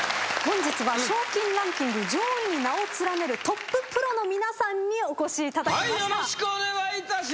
本日は賞金ランキング上位に名を連ねるトッププロの皆さんにお越しいただきました。